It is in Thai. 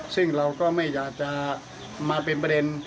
ซึ่งเราก็ไม่อยากจะมาเป็นประเด็น